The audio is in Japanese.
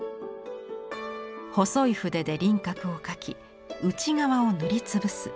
細い筆で輪郭を描き内側を塗りつぶす